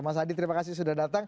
mas adi terima kasih sudah datang